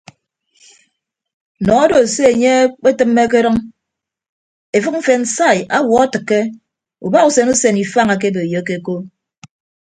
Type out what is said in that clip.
Nọ odo se enye ekpetịmme akedʌñ efịk mfen sai awuọ atịkke ubahausen usen ifañ akeboiyoke ko.